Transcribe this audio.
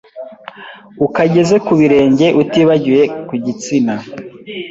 ukageze ku birenge utibagiwe ku gitsina